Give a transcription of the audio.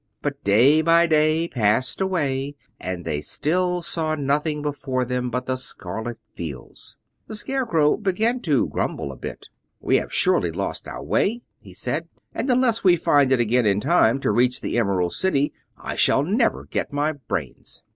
But day by day passed away, and they still saw nothing before them but the scarlet fields. The Scarecrow began to grumble a bit. "We have surely lost our way," he said, "and unless we find it again in time to reach the Emerald City, I shall never get my brains."